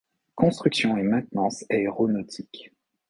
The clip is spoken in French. Construction et maintenance aéronautique.